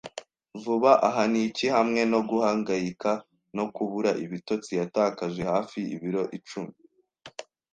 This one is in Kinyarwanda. Vuba aha niki hamwe no guhangayika no kubura ibitotsi, yatakaje hafi ibiro icumi